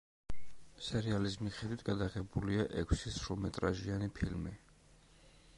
სერიალის მიხედვით გადაღებულია ექვსი სრულმეტრაჟიანი ფილმი.